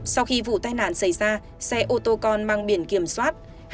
sau khi vụ tai nạn xảy ra xe ô tô con mang biển kiểm soát